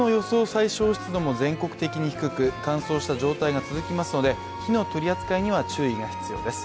最小湿度も全国的に低く、乾燥した状態が続きますので火の取り扱いには注意が必要です。